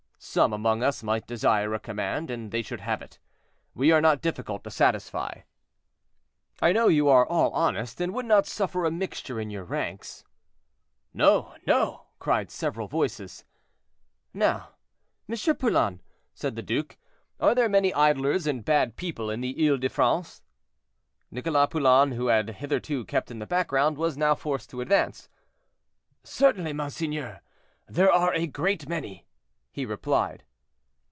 Some among us might desire a command, and they should have it. We are not difficult to satisfy." "I know you are all honest, and would not suffer a mixture in your ranks." "No, no!" cried several voices. "Now, M. Poulain," said the duke, "are there many idlers and bad people in the Ile de France?" Nicholas Poulain, who had hitherto kept in the background, was now forced to advance. "Certainly, monseigneur, there are a great many," he replied.